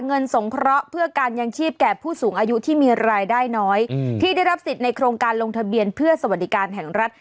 สงเคราะห์เพื่อการยังชีพแก่ผู้สูงอายุที่มีรายได้น้อยที่ได้รับสิทธิ์ในโครงการลงทะเบียนเพื่อสวัสดิการแห่งรัฐ